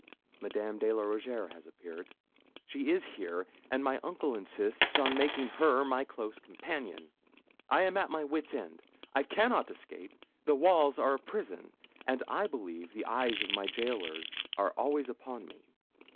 Madame de la Rougierre has appeared! She is here, and my uncle insists on making her my close companion. I am at my wits' ends. I cannot escape the walls are a prison; and I believe the eyes of my gaolers are always upon me.